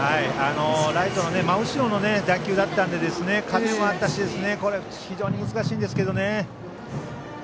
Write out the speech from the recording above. ライトの真後ろの打球だったんで風もあったし非常に難しいんですけどね。